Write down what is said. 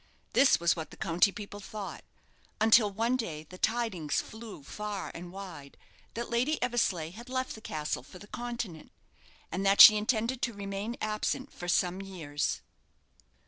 This was what the county people thought; until one day the tidings flew far and wide that Lady Eversleigh had left the castle for the Continent, and that she intended to remain absent for some years.